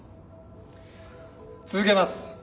続けます。